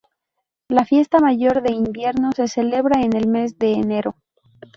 La fiesta mayor de invierno se celebra en el mes de enero.